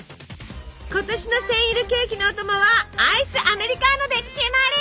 今年のセンイルケーキのお供はアイスアメリカーノで決まり！